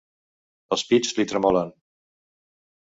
Els pits li tremolen.